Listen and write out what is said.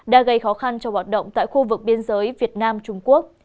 đã gây khó khăn cho hoạt động tại khu vực biên giới việt nam trung quốc